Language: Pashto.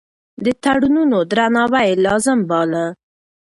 د تړونونو درناوی يې لازم باله.